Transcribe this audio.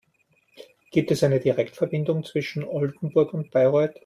Gibt es eine Direktverbindung zwischen Oldenburg und Bayreuth?